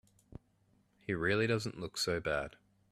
He really doesn't look so bad.